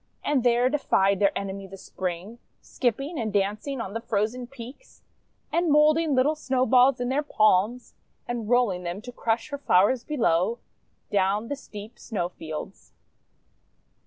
And there defied their enemy, the Spring; Skipping and dancing on the frozen peaks, And moulding little Snowballs in their palms, And rolling them to crush her flowers below, Down the steep Snowfields.